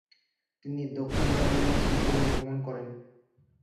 তিনি দক্ষিণ জার্মানি এবং সুইজারল্যান্ড ভ্রমণ করেন।